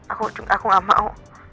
aku enggak mau